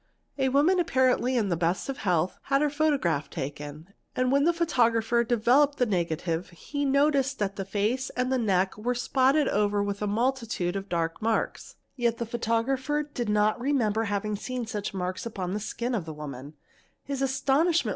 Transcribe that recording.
A woman, apparently in he best of health, had her photograph taken, and when the photo grapher developed the negative he noticed that the face and the neck Were spotted over with a multitude of dark marks; yet the photographer Tid not remember having seen such marks upon the skin of the woman ; re a.